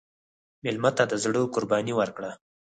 مېلمه ته د زړه قرباني ورکړه.